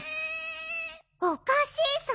おかしいさ！